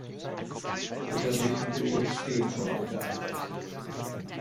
Buttermilch und Jogurt stehen schon auf der Einkaufsliste.